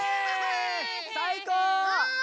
さいこう！